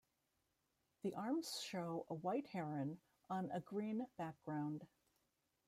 The arms show a white heron on a green background.